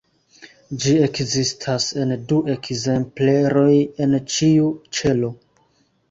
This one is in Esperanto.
Ĝi ekzistas en du ekzempleroj en ĉiu ĉelo.